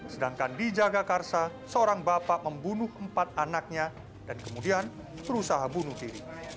sedangkan di jagakarsa seorang bapak membunuh empat anaknya dan kemudian berusaha bunuh diri